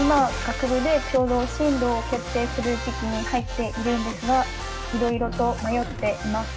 今学部でちょうど進路を決定する時期に入っているんですがいろいろと迷っています。